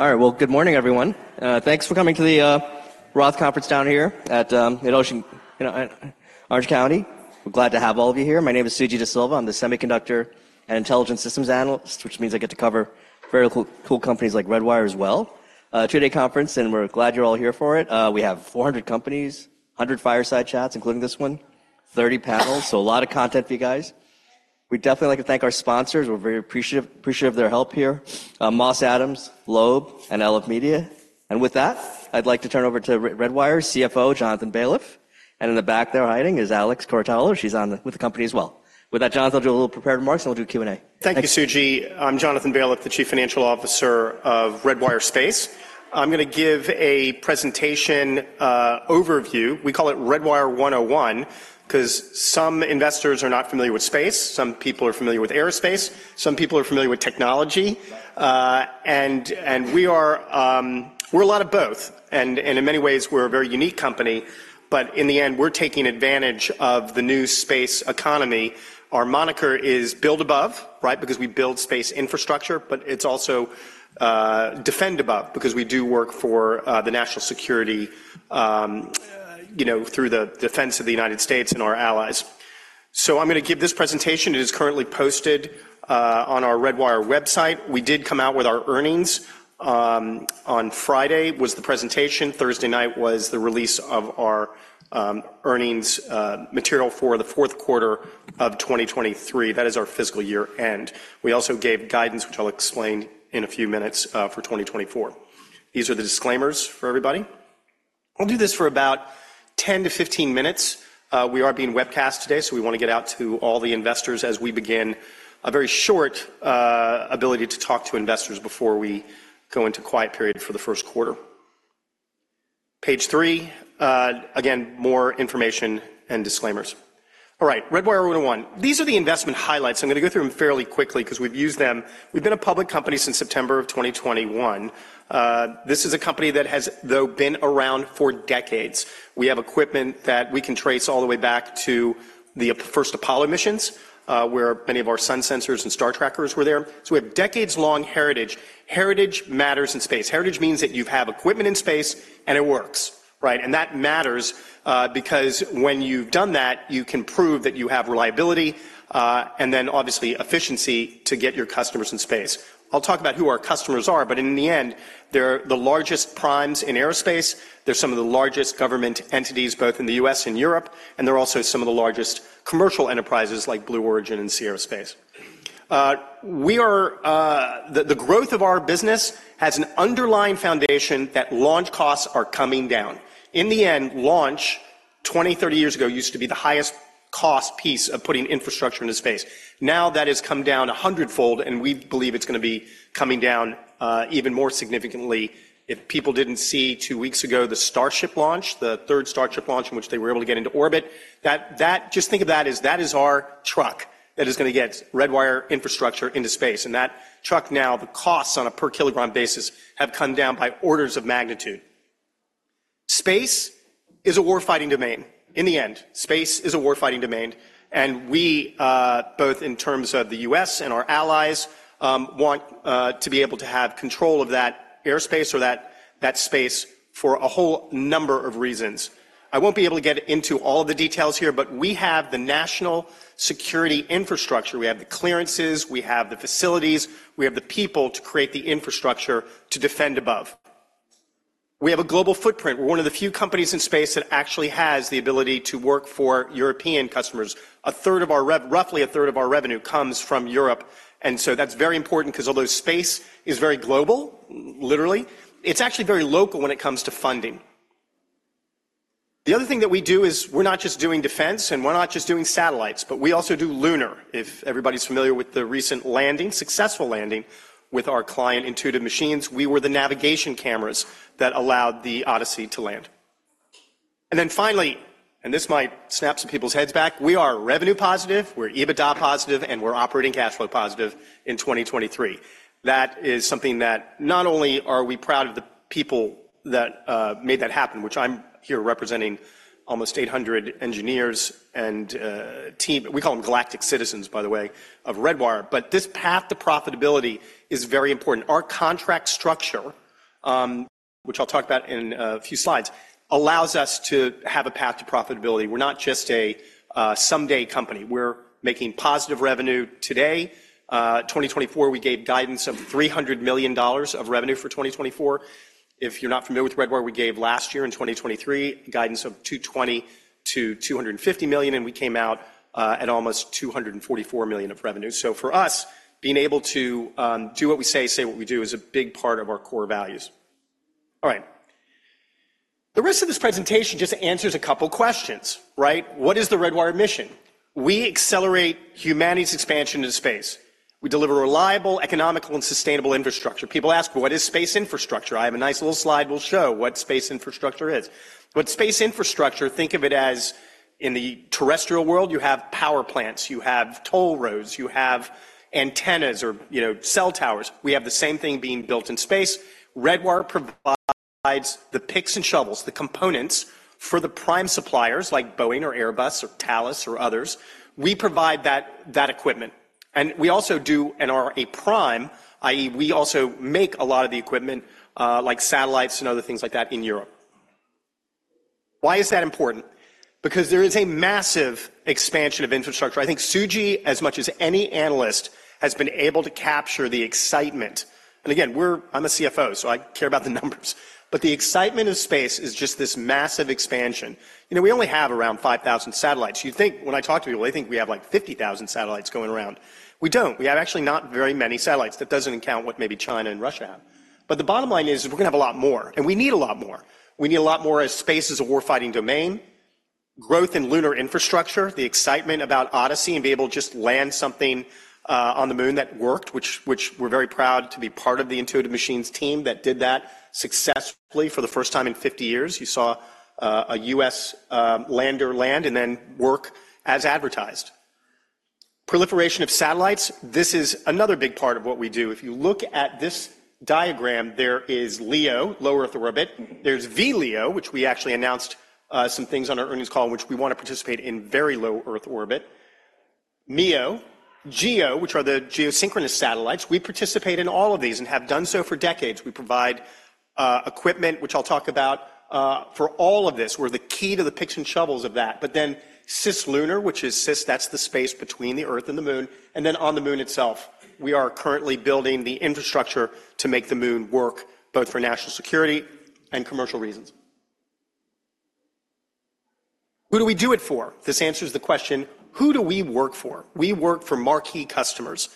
All right, well, good morning, everyone. Thanks for coming to the Roth Conference down here at, at Ocean, you know, in Orange County. We're glad to have all of you here. My name is Sujit Desilva. I'm the Semiconductor and Intelligent Systems Analyst, which means I get to cover very cool, cool companies like Redwire as well. Today's conference, and we're glad you're all here for it. We have 400 companies, 100 fireside chats, including this one, 30 panels, so a lot of content for you guys. We'd definitely like to thank our sponsors. We're very appreciative, appreciative of their help here, Moss Adams, Loeb, and Elev8 New Media. And with that, I'd like to turn over to Redwire's CFO, Jonathan Baliff, and in the back there hiding is Alex Curatolo. She's on the with the company as well. With that, Jonathan, I'll do a little prepared remarks, and we'll do Q&A. Thank you, Sujit. I'm Jonathan Baliff, the Chief Financial Officer of Redwire Space. I'm gonna give a presentation, overview. We call it Redwire 101 'cause some investors are not familiar with space, some people are familiar with aerospace, some people are familiar with technology. We are, we're a lot of both, and in many ways, we're a very unique company. But in the end, we're taking advantage of the new space economy. Our moniker is Build Above, right, because we build space infrastructure, but it's also Defend Above because we do work for the national security, you know, through the defense of the United States and our allies. So I'm gonna give this presentation. It is currently posted on our Redwire website. We did come out with our earnings, on Friday was the presentation. Thursday night was the release of our earnings material for the fourth quarter of 2023. That is our fiscal year-end. We also gave guidance, which I'll explain in a few minutes, for 2024. These are the disclaimers for everybody. I'll do this for about 10-15 minutes. We are being webcast today, so we wanna get out to all the investors as we begin a very short ability to talk to investors before we go into quiet period for the first quarter. Page three, again, more information and disclaimers. All right, Redwire 101. These are the investment highlights. I'm gonna go through them fairly quickly 'cause we've used them. We've been a public company since September of 2021. This is a company that has, though, been around for decades. We have equipment that we can trace all the way back to the first Apollo missions, where many of our sun sensors and star trackers were there. So we have decades-long heritage. Heritage matters in space. Heritage means that you have equipment in space, and it works, right? And that matters, because when you've done that, you can prove that you have reliability, and then obviously efficiency to get your customers in space. I'll talk about who our customers are, but in the end, they're the largest primes in aerospace. They're some of the largest government entities, both in the U.S. and Europe, and they're also some of the largest commercial enterprises like Blue Origin and Sierra Space. The growth of our business has an underlying foundation that launch costs are coming down. In the end, launch 20, 30 years ago used to be the highest cost piece of putting infrastructure into space. Now that has come down a hundredfold, and we believe it's gonna be coming down even more significantly. If people didn't see two weeks ago the Starship launch, the third Starship launch in which they were able to get into orbit, that, that just think of that as that is our truck that is gonna get Redwire infrastructure into space. And that truck now, the costs on a per-kilogram basis, have come down by orders of magnitude. Space is a war-fighting domain. In the end, space is a war-fighting domain, and we, both in terms of the U.S. and our allies, want to be able to have control of that airspace or that, that space for a whole number of reasons. I won't be able to get into all of the details here, but we have the national security infrastructure. We have the clearances. We have the facilities. We have the people to create the infrastructure to Defend Above. We have a global footprint. We're one of the few companies in space that actually has the ability to work for European customers. A third of our revenue, roughly a third of our revenue, comes from Europe, and so that's very important 'cause although space is very global, literally, it's actually very local when it comes to funding. The other thing that we do is we're not just doing defense, and we're not just doing satellites, but we also do lunar. If everybody's familiar with the recent landing, successful landing with our client, Intuitive Machines, we were the navigation cameras that allowed the Odyssey to land. And then finally, and this might snap some people's heads back, we are revenue positive. We're EBITDA positive, and we're operating cash flow positive in 2023. That is something that not only are we proud of the people that made that happen, which I'm here representing almost 800 engineers and team we call them galactic citizens, by the way, of Redwire, but this path to profitability is very important. Our contract structure, which I'll talk about in a few slides, allows us to have a path to profitability. We're not just a someday company. We're making positive revenue today. 2024, we gave guidance of $300 million of revenue for 2024. If you're not familiar with Redwire, we gave last year in 2023 guidance of $220 million-$250 million, and we came out at almost $244 million of revenue. For us, being able to, do what we say, say what we do, is a big part of our core values. All right. The rest of this presentation just answers a couple of questions, right? What is the Redwire mission? We accelerate humanity's expansion into space. We deliver reliable, economical, and sustainable infrastructure. People ask, "What is space infrastructure?" I have a nice little slide. We'll show what space infrastructure is. But space infrastructure, think of it as in the terrestrial world, you have power plants. You have toll roads. You have antennas or, you know, cell towers. We have the same thing being built in space. Redwire provides the picks and shovels, the components for the prime suppliers like Boeing or Airbus or Thales or others. We provide that, that equipment. And we also do and are a prime, i.e., we also make a lot of the equipment, like satellites and other things like that in Europe. Why is that important? Because there is a massive expansion of infrastructure. I think Sujit, as much as any analyst, has been able to capture the excitement. And again, we're, I'm a CFO, so I care about the numbers, but the excitement of space is just this massive expansion. You know, we only have around 5,000 satellites. You'd think when I talk to people, they think we have, like, 50,000 satellites going around. We don't. We have actually not very many satellites. That doesn't account what maybe China and Russia have. But the bottom line is we're gonna have a lot more, and we need a lot more. We need a lot more as space is a war-fighting domain, growth in lunar infrastructure, the excitement about Odysseus and being able to just land something on the moon that worked, which, which we're very proud to be part of the Intuitive Machines team that did that successfully for the first time in 50 years. You saw a U.S. lander land and then work as advertised. Proliferation of satellites. This is another big part of what we do. If you look at this diagram, there is LEO, low Earth orbit. There's VLEO, which we actually announced some things on our earnings call in which we wanna participate in very low Earth orbit. MEO, GEO, which are the geosynchronous satellites. We participate in all of these and have done so for decades. We provide equipment, which I'll talk about, for all of this. We're the key to the picks and shovels of that. But then cislunar, which is cislunar, that's the space between the Earth and the Moon. And then on the Moon itself, we are currently building the infrastructure to make the Moon work both for national security and commercial reasons. Who do we do it for? This answers the question, "Who do we work for?" We work for marquee customers,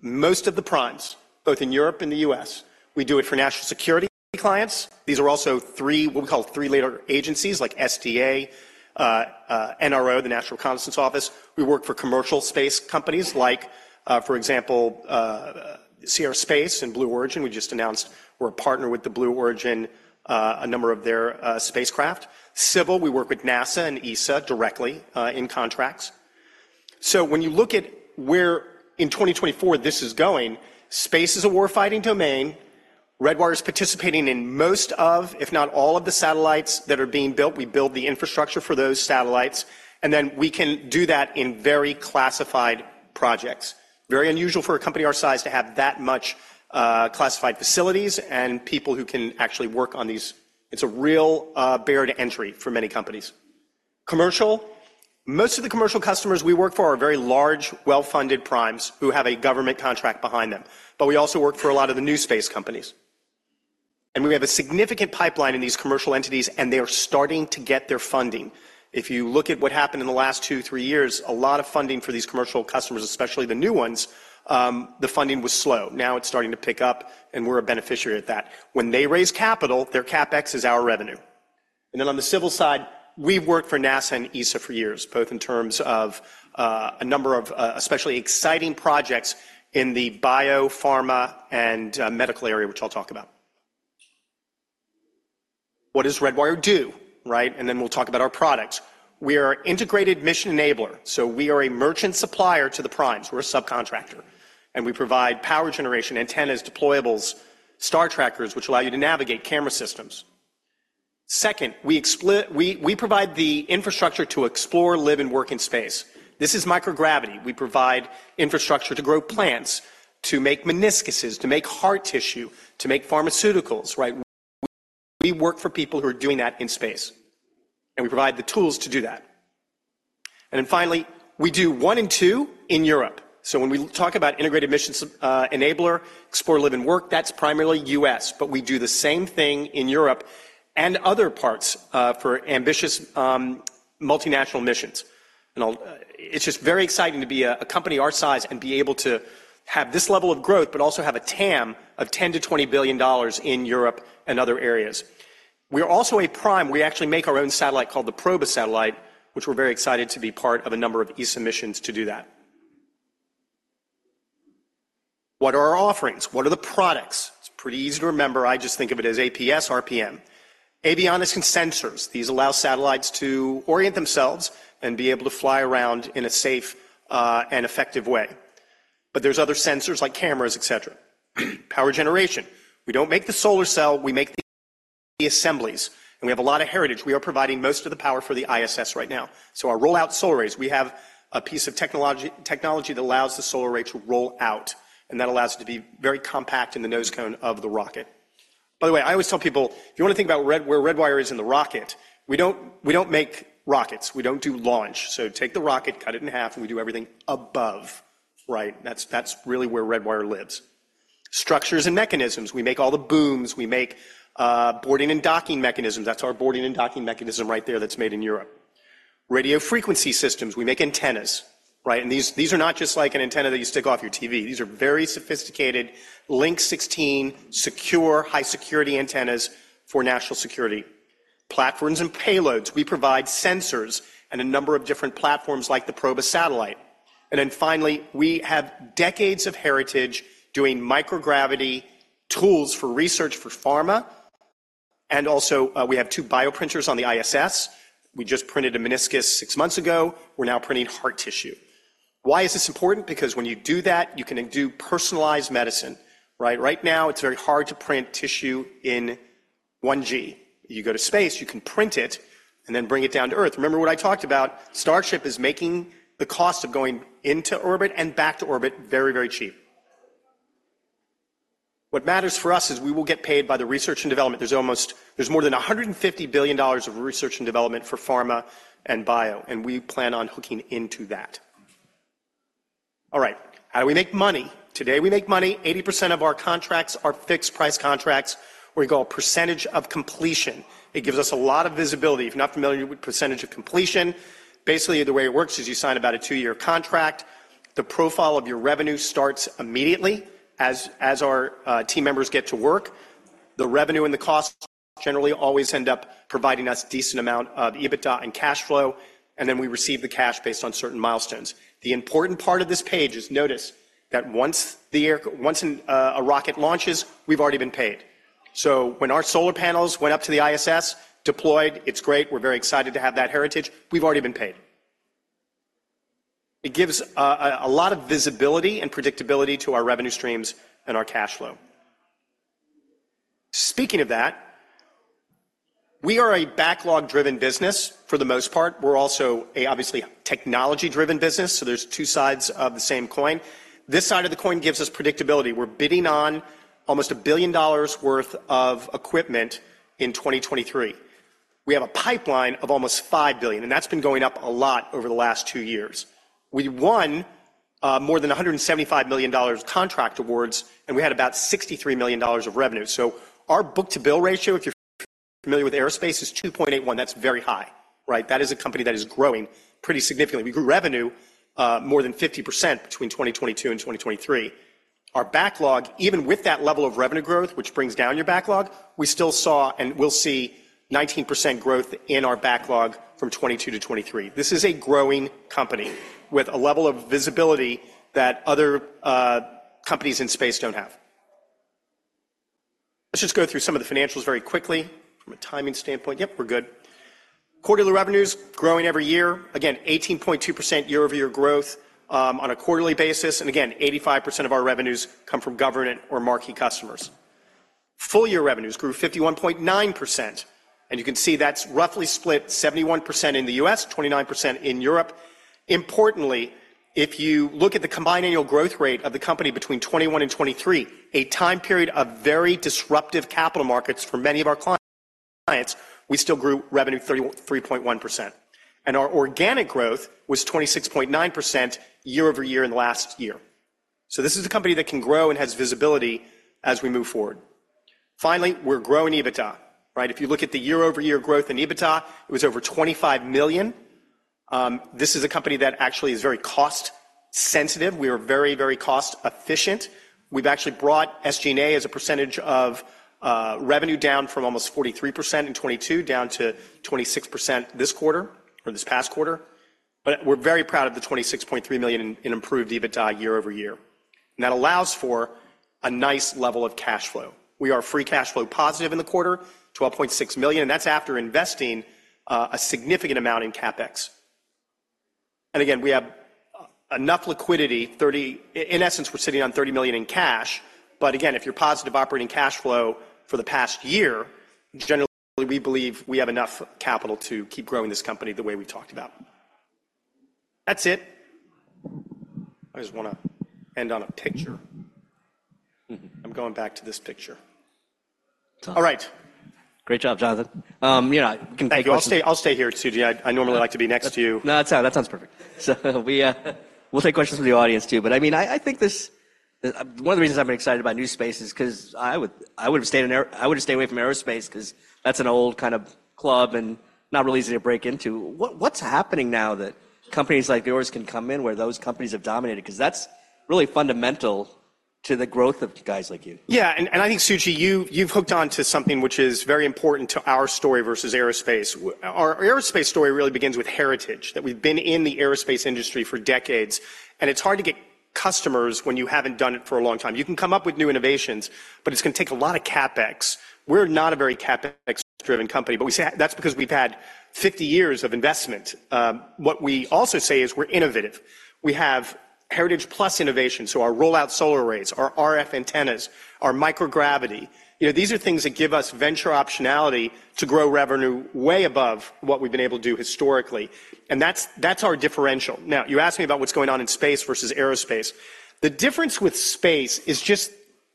most of the primes, both in Europe and the U.S. We do it for national security clients. These are also three what we call three-letter agencies like SDA, NRO, the National Reconnaissance Office. We work for commercial space companies like, for example, Sierra Space and Blue Origin. We just announced we're a partner with the Blue Origin, a number of their, spacecraft. Civil, we work with NASA and ESA directly, in contracts. So when you look at where in 2024 this is going, space is a war-fighting domain. Redwire is participating in most of, if not all, of the satellites that are being built. We build the infrastructure for those satellites, and then we can do that in very classified projects. Very unusual for a company our size to have that much classified facilities and people who can actually work on these. It's a real barrier to entry for many companies. Commercial. Most of the commercial customers we work for are very large, well-funded primes who have a government contract behind them. But we also work for a lot of the new space companies. We have a significant pipeline in these commercial entities, and they are starting to get their funding. If you look at what happened in the last two-three years, a lot of funding for these commercial customers, especially the new ones, the funding was slow. Now it's starting to pick up, and we're a beneficiary of that. When they raise capital, their CapEx is our revenue. Then on the civil side, we've worked for NASA and ESA for years, both in terms of a number of especially exciting projects in the biopharma and medical area, which I'll talk about. What does Redwire do, right? Then we'll talk about our products. We are an integrated mission enabler. So we are a merchant supplier to the primes. We're a subcontractor. And we provide power generation, antennas, deployables, star trackers, which allow you to navigate camera systems. Second, we provide the infrastructure to explore, live, and work in space. This is microgravity. We provide infrastructure to grow plants, to make meniscuses, to make heart tissue, to make pharmaceuticals, right? We, we work for people who are doing that in space, and we provide the tools to do that. Then finally, we do one and two in Europe. So when we talk about integrated missions, enabler, explore, live, and work, that's primarily U.S., but we do the same thing in Europe and other parts, for ambitious, multinational missions. It's just very exciting to be a, a company our size and be able to have this level of growth but also have a TAM of $10-$20 billion in Europe and other areas. We are also a prime. We actually make our own satellite called the PROBA satellite, which we're very excited to be part of a number of ESA missions to do that. What are our offerings? What are the products? It's pretty easy to remember. I just think of it as APS, RPM. Avionics and sensors. These allow satellites to orient themselves and be able to fly around in a safe and effective way. But there's other sensors like cameras, etc. Power generation. We don't make the solar cell. We make the assemblies. And we have a lot of heritage. We are providing most of the power for the ISS right now. So our rollout solar rays, we have a piece of technology that allows the solar ray to roll out, and that allows it to be very compact in the nose cone of the rocket. By the way, I always tell people, if you wanna think about Redwire, where Redwire is in the rocket, we don't make rockets. We don't do launch. So take the rocket, cut it in half, and we do everything above, right? That's, that's really where Redwire lives. Structures and mechanisms. We make all the booms. We make, boarding and docking mechanisms. That's our boarding and docking mechanism right there that's made in Europe. Radio frequency systems. We make antennas, right? And these, these are not just like an antenna that you stick off your TV. These are very sophisticated, Link 16, secure, high-security antennas for national security. Platforms and payloads. We provide sensors and a number of different platforms like the PROBA satellite. And then finally, we have decades of heritage doing microgravity tools for research for pharma. And also, we have two bioprinters on the ISS. We just printed a meniscus six months ago. We're now printing heart tissue. Why is this important? Because when you do that, you can do personalized medicine, right? Right now, it's very hard to print tissue in 1G. You go to space, you can print it and then bring it down to Earth. Remember what I talked about? Starship is making the cost of going into orbit and back to orbit very, very cheap. What matters for us is we will get paid by the research and development. There's almost more than $150 billion of research and development for pharma and bio, and we plan on hooking into that. All right. How do we make money? Today, we make money. 80% of our contracts are fixed-price contracts, or we call it percentage of completion. It gives us a lot of visibility. If you're not familiar with percentage of completion, basically, the way it works is you sign about a two-year contract. The profile of your revenue starts immediately as our team members get to work. The revenue and the cost generally always end up providing us a decent amount of EBITDA and cash flow, and then we receive the cash based on certain milestones. The important part of this page is notice that once a rocket launches, we've already been paid. So when our solar panels went up to the ISS, deployed, it's great. We're very excited to have that heritage. We've already been paid. It gives a lot of visibility and predictability to our revenue streams and our cash flow. Speaking of that, we are a backlog-driven business for the most part. We're also a, obviously, technology-driven business. So there's two sides of the same coin. This side of the coin gives us predictability. We're bidding on almost $1 billion worth of equipment in 2023. We have a pipeline of almost $5 billion, and that's been going up a lot over the last two years. We won more than $175 million of contract awards, and we had about $63 million of revenue. So our Book-to-Bill Ratio, if you're familiar with aerospace, is 2.81. That's very high, right? That is a company that is growing pretty significantly. We grew revenue more than 50% between 2022 and 2023. Our backlog, even with that level of revenue growth, which brings down your backlog, we still saw and will see 19% growth in our backlog from 2022 to 2023. This is a growing company with a level of visibility that other companies in space don't have. Let's just go through some of the financials very quickly from a timing standpoint. Yep, we're good. Quarterly revenues growing every year. Again, 18.2% year-over-year growth, on a quarterly basis. Again, 85% of our revenues come from government or marquee customers. Full-year revenues grew 51.9%. And you can see that's roughly split 71% in the U.S., 29% in Europe. Importantly, if you look at the combined annual growth rate of the company between 2021 and 2023, a time period of very disruptive capital markets for many of our clients, we still grew revenue 3.1%. And our organic growth was 26.9% year-over-year in the last year. So this is a company that can grow and has visibility as we move forward. Finally, we're growing EBITDA, right? If you look at the year-over-year growth in EBITDA, it was over $25 million. This is a company that actually is very cost-sensitive. We are very, very cost-efficient. We've actually brought SG&A as a percentage of revenue down from almost 43% in 2022 down to 26% this quarter or this past quarter. But we're very proud of the $26.3 million in improved EBITDA year-over-year. That allows for a nice level of cash flow. We are free cash flow positive in the quarter, $12.6 million, and that's after investing a significant amount in CapEx. Again, we have enough liquidity, $30 million in essence; we're sitting on $30 million in cash. But again, if you're positive operating cash flow for the past year, generally, we believe we have enough capital to keep growing this company the way we talked about. That's it. I just wanna end on a picture. I'm going back to this picture. All right. Great job, Jonathan. You know, we can take questions. I'll stay, I'll stay here, Suji. I, I normally like to be next to you. No, that sounds, that sounds perfect. So we, we'll take questions from the audience too. But I mean, I, I think this one of the reasons I've been excited about new space is 'cause I would I would have stayed in a I would have stayed away from aerospace 'cause that's an old kind of club and not real easy to break into. What, what's happening now that companies like yours can come in where those companies have dominated? 'Cause that's really fundamental to the growth of guys like you. Yeah. And, and I think, Suji, you've, you've hooked on to something which is very important to our story versus aerospace. Our, our aerospace story really begins with heritage, that we've been in the aerospace industry for decades, and it's hard to get customers when you haven't done it for a long time. You can come up with new innovations, but it's gonna take a lot of CapEx. We're not a very CapEx-driven company, but we say that's because we've had 50 years of investment. What we also say is we're innovative. We have heritage plus innovation. So our rollout solar arrays, our RF antennas, our microgravity, you know, these are things that give us venture optionality to grow revenue way above what we've been able to do historically. And that's, that's our differential. Now, you asked me about what's going on in space versus aerospace. The difference with space is just,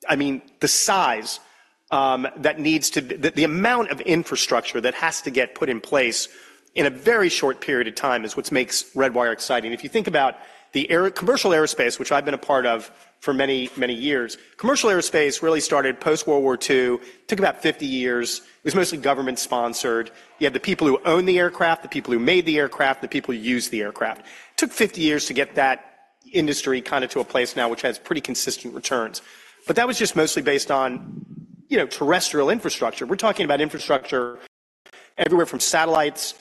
I mean, the size, the need, the amount of infrastructure that has to get put in place in a very short period of time is what makes Redwire exciting. If you think about the aero commercial aerospace, which I've been a part of for many, many years, commercial aerospace really started post-World War II, took about 50 years. It was mostly government-sponsored. You had the people who owned the aircraft, the people who made the aircraft, the people who used the aircraft. Took 50 years to get that industry kind of to a place now which has pretty consistent returns. But that was just mostly based on, you know, terrestrial infrastructure. We're talking about infrastructure everywhere from satellites,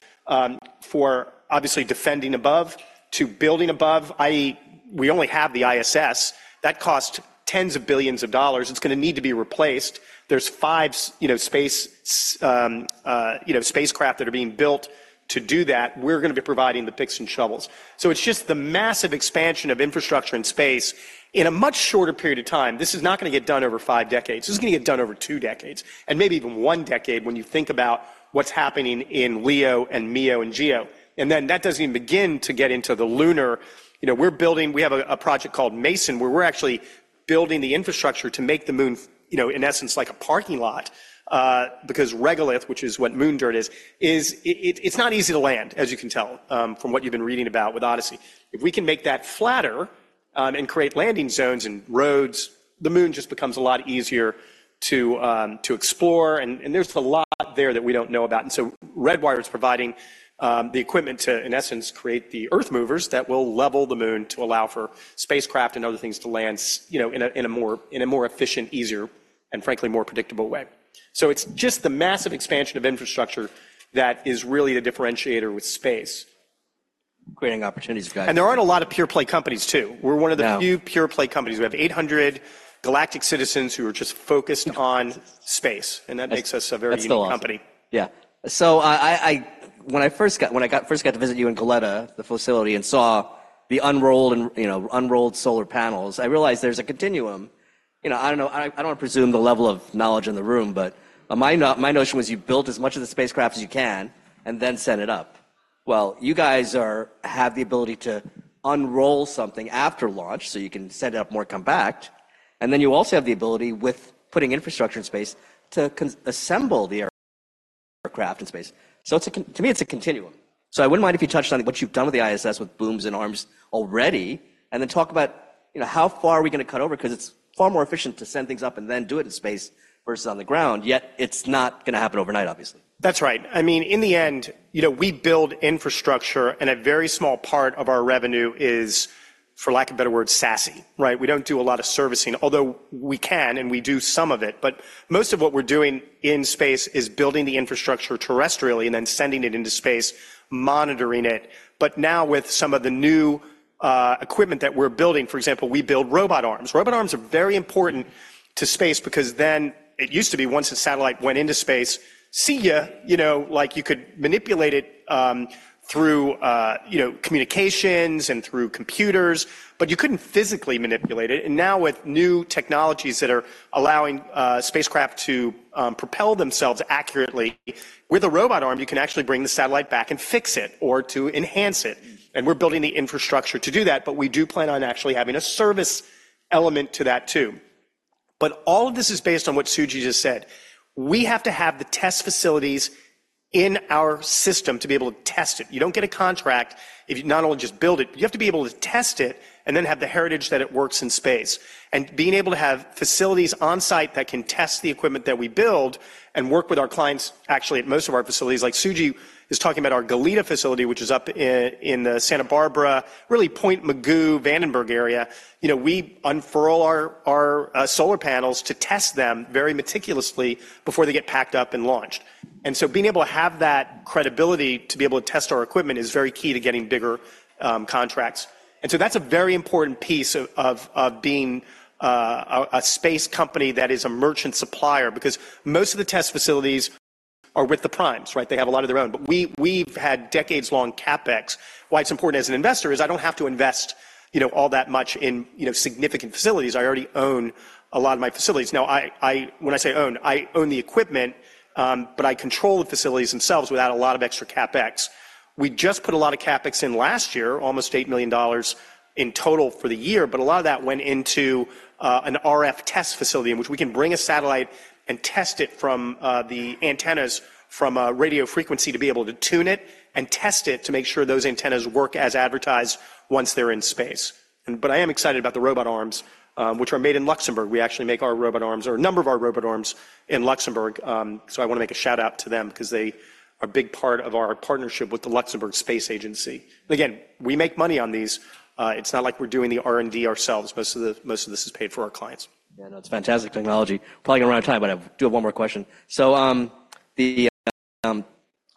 for obviously defending above to building above, i.e., we only have the ISS. That costs $10s of billions. It's gonna need to be replaced. There's five, you know, spacecraft that are being built to do that. We're gonna be providing the picks and shovels. So it's just the massive expansion of infrastructure in space in a much shorter period of time. This is not gonna get done over five decades. This is gonna get done over two decades and maybe even one decade when you think about what's happening in LEO and MEO and GEO. And then that doesn't even begin to get into the lunar, you know, we're building we have a, a project called Mason where we're actually building the infrastructure to make the moon, you know, in essence, like a parking lot, because regolith, which is what moon dirt is, is it, it, it's not easy to land, as you can tell, from what you've been reading about with Odyssey. If we can make that flatter, and create landing zones and roads, the moon just becomes a lot easier to, to explore. And, and there's a lot there that we don't know about. And so Redwire is providing the equipment to, in essence, create the Earth movers that will level the moon to allow for spacecraft and other things to land, you know, in a more efficient, easier, and frankly, more predictable way. So it's just the massive expansion of infrastructure that is really the differentiator with space. Creating opportunities for guidance. And there aren't a lot of pure-play companies too. We're one of the few pure-play companies. We have 800 galactic citizens who are just focused on space. And that makes us a very unique company. That's still on. Yeah. So I when I first got to visit you in Goleta, the facility, and saw the unrolled, you know, unrolled solar panels, I realized there's a continuum. You know, I don't know. I don't wanna presume the level of knowledge in the room, but my notion was you built as much of the spacecraft as you can and then sent it up. Well, you guys have the ability to unroll something after launch so you can send it up more compact. And then you also have the ability, with putting infrastructure in space, to assemble the spacecraft in space. So it's a continuum to me. So I wouldn't mind if you touched on what you've done with the ISS with booms and arms already and then talk about, you know, how far are we gonna cut over 'cause it's far more efficient to send things up and then do it in space versus on the ground, yet it's not gonna happen overnight, obviously. That's right. I mean, in the end, you know, we build infrastructure, and a very small part of our revenue is, for lack of a better word, SaaS right? We don't do a lot of servicing, although we can, and we do some of it. But most of what we're doing in space is building the infrastructure terrestrially and then sending it into space, monitoring it. But now with some of the new equipment that we're building, for example, we build robot arms. Robot arms are very important to space because then it used to be, once a satellite went into space, see you, you know, like you could manipulate it through, you know, communications and through computers, but you couldn't physically manipulate it. And now with new technologies that are allowing spacecraft to propel themselves accurately, with a robot arm, you can actually bring the satellite back and fix it or to enhance it. And we're building the infrastructure to do that, but we do plan on actually having a service element to that too. But all of this is based on what Suji just said. We have to have the test facilities in our system to be able to test it. You don't get a contract if you not only just build it, but you have to be able to test it and then have the heritage that it works in space. And being able to have facilities on-site that can test the equipment that we build and work with our clients, actually, at most of our facilities, like Suji is talking about our Goleta facility, which is up in the Santa Barbara, really Point Mugu, Vandenberg area. You know, we unfurl our solar panels to test them very meticulously before they get packed up and launched. And so being able to have that credibility to be able to test our equipment is very key to getting bigger contracts. And so that's a very important piece of being a space company that is a merchant supplier because most of the test facilities are with the primes, right? They have a lot of their own. But we, we've had decades-long CapEx. Why it's important as an investor is I don't have to invest, you know, all that much in, you know, significant facilities. I already own a lot of my facilities. Now, when I say own, I own the equipment, but I control the facilities themselves without a lot of extra CapEx. We just put a lot of CapEx in last year, almost $8 million in total for the year, but a lot of that went into an RF test facility in which we can bring a satellite and test it from the antennas from a radio frequency to be able to tune it and test it to make sure those antennas work as advertised once they're in space. But I am excited about the robot arms, which are made in Luxembourg. We actually make our robot arms or a number of our robot arms in Luxembourg. So I wanna make a shout-out to them 'cause they are a big part of our partnership with the Luxembourg Space Agency. And again, we make money on these. It's not like we're doing the R&D ourselves. Most of this is paid for by our clients. Yeah. No, it's fantastic technology. Probably gonna run out of time, but I do have one more question. So, I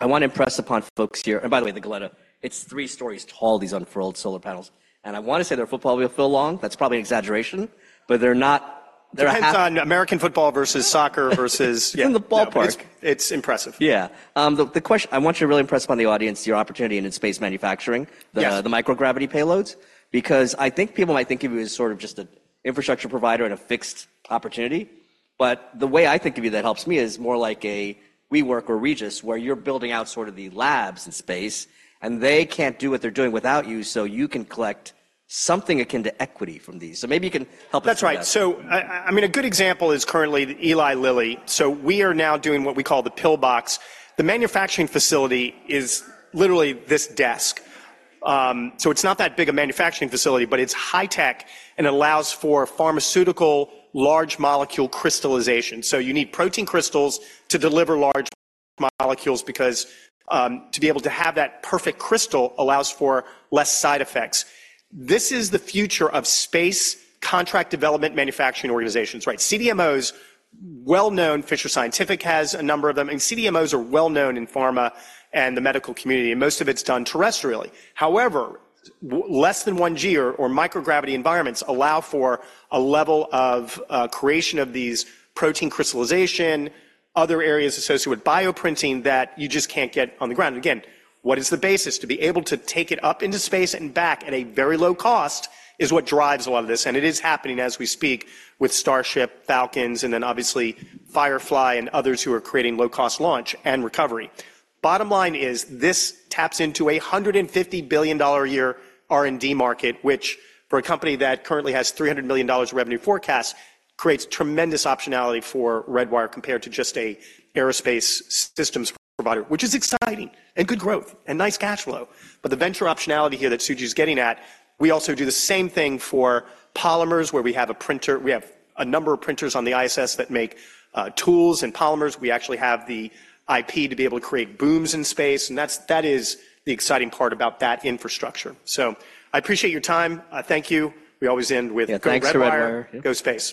wanna impress upon folks here and by the way, the Goleta, it's three stories tall, these unfurled solar panels. And I wanna say they're football field long. That's probably an exaggeration, but they're not, they're a half. Depends on American football versus soccer versus, yeah. In the ballpark. It's impressive. Yeah. The question I want you to really impress upon the audience, your opportunity in space manufacturing, the microgravity payloads, because I think people might think of you as sort of just an infrastructure provider and a fixed opportunity. But the way I think of you that helps me is more like a WeWork or Regis where you're building out sort of the labs in space, and they can't do what they're doing without you, so you can collect something akin to equity from these. So maybe you can help us with that. That's right. So I mean, a good example is currently the Eli Lilly. So we are now doing what we call the PIL-BOX. The manufacturing facility is literally this desk. So it's not that big a manufacturing facility, but it's high-tech, and it allows for pharmaceutical large molecule crystallization. So you need protein crystals to deliver large molecules because to be able to have that perfect crystal allows for less side effects. This is the future of space contract development manufacturing organizations, right? CDMOs. Well-known Fisher Scientific has a number of them, and CDMOs are well-known in pharma and the medical community. Most of it's done terrestrially. However, less than 1G or microgravity environments allow for a level of creation of these protein crystallization, other areas associated with bioprinting that you just can't get on the ground. And again, what is the basis? To be able to take it up into space and back at a very low cost is what drives a lot of this. And it is happening as we speak with Starship, Falcons, and then obviously Firefly and others who are creating low-cost launch and recovery. Bottom line is this taps into a $150 billion a year R&D market, which for a company that currently has $300 million revenue forecasts, creates tremendous optionality for Redwire compared to just a aerospace systems provider, which is exciting and good growth and nice cash flow. But the venture optionality here that Suji's getting at, we also do the same thing for polymers where we have a printer we have a number of printers on the ISS that make tools and polymers. We actually have the IP to be able to create booms in space. And that's the exciting part about that infrastructure. So I appreciate your time. Thank you. We always end with, "Go Redwire. Go space.